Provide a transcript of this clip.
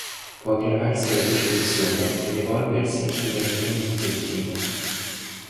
Può aggravarsi alla luce del sole, ed evolversi in eritema infettivo.